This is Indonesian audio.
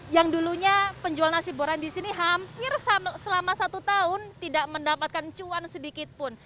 yang dulunya penjual nasi boran di sini hampir selama satu tahun tidak mendapatkan cuan sedikit pun